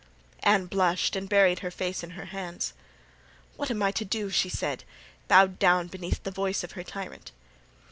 Anne blushed and buried her face in her hands. "What am I to do?" she said, bowed down beneath the voice of her tyrant.